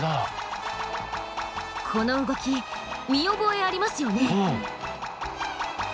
この動き見覚えありますよね？